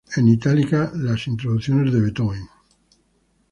En itálica las introducciones de Beethoven.